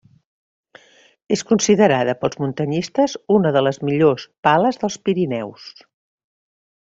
És considerada pels muntanyistes una de les millors pales dels Pirineus.